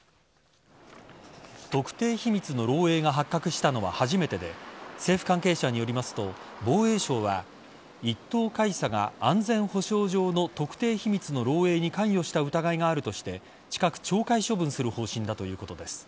特定秘密の漏えいが発覚したのは初めてで政府関係者によりますと防衛省は１等海佐が安全保障上の特定秘密の漏えいに関与した疑いがあるとして近く懲戒処分する方針だということです。